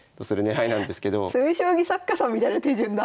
詰将棋作家さんみたいな手順だ。